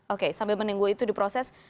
oke sambil menunggu itu diproses